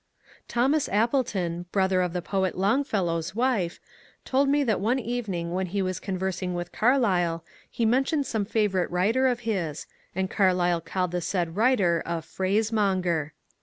Thomas Appleton, brother of the poet Longfellow's wife, told me that one evening when he was conversing with Car lyle he mentioned some favourite writer of his, and Carlyle called the said writer a *^ phrase monger."